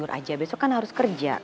orang busuk bande rasul brendan